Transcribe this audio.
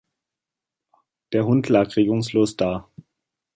Der Hund lag regungslos da.